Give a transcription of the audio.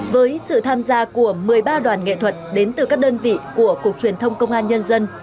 với sự tham gia của một mươi ba đoàn nghệ thuật đến từ các đơn vị của cục truyền thông công an nhân dân